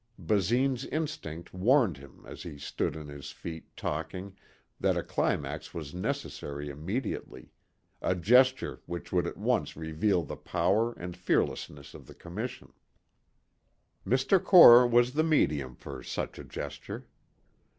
Basine's instinct warned him as he stood on his feet talking, that a climax was necessary immediately a gesture which would at once reveal the power and fearlessness of the commission. Mr. Core was the medium for such a gesture.